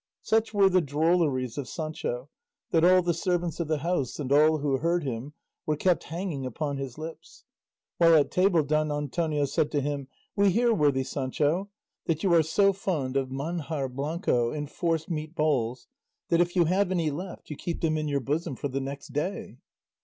Such were the drolleries of Sancho that all the servants of the house, and all who heard him, were kept hanging upon his lips. While at table Don Antonio said to him, "We hear, worthy Sancho, that you are so fond of manjar blanco and forced meat balls, that if you have any left, you keep them in your bosom for the next day."